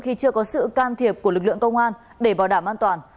khi chưa có sự can thiệp của lực lượng công an để bảo đảm an toàn